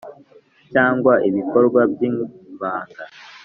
cyangwa ibikorwa by’ibanga.